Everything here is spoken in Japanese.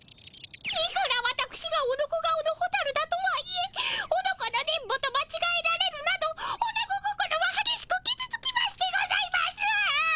いくらわたくしがオノコ顔のホタルだとはいえオノコの電ボとまちがえられるなどオナゴ心ははげしくきずつきましてございます。